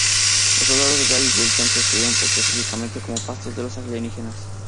Los soldados Gray y Wilson se escribieron específicamente como "pasto de los alienígenas".